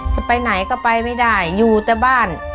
จะไปไหนก็ไปไม่ได้อยู่แต่บ้าน